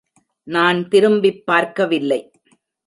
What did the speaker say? நான் திரும்பிப் பார்க்கவில்லை.